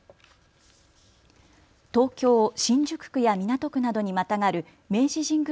東京新宿区や港区などにまたがる明治神宮